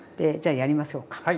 じゃやりましょうか。